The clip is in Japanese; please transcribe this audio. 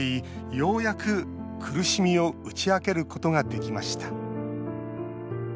ようやく苦しみを打ち明けることができました。